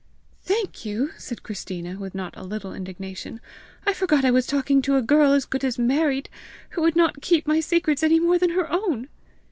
"Thank you!" said Christina, with not a little indignation. "I forgot I was talking to a girl as good as married, who would not keep my secrets any more than her own!"